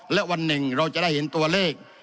และวันหนึ่งเราจะได้เห็นตัวเลข